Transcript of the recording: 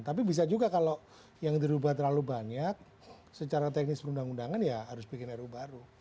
tapi bisa juga kalau yang dirubah terlalu banyak secara teknis perundang undangan ya harus bikin ru baru